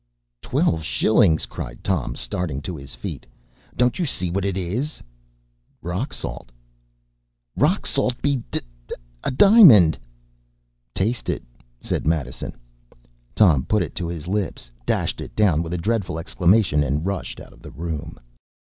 ” “Twelve shillings!” cried Tom, starting to his feet. “Don’t you see what it is?” “Rock salt!” “Rock salt be d d! a diamond.” “Taste it!” said Madison. Tom put it to his lips, dashed it down with a dreadful exclamation, and rushed out of the room.